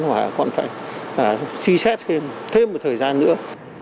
hoặc còn phải suy xét thêm một thời gian nữa